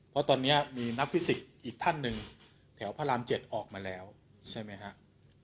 เพราะตอนนี้มีนักฟิสิกส์อีกท่านหนึ่งแถวพระราม๗ออกมาแล้วใช่ไหมฮะ